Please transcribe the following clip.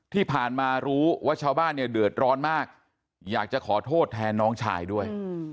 ที่ผ่านมารู้ว่าชาวบ้านเนี่ยเดือดร้อนมากอยากจะขอโทษแทนน้องชายด้วย